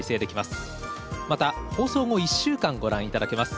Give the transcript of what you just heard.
また放送後１週間ご覧頂けます。